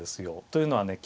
というのはね